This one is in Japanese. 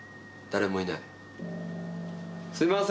誰もいない。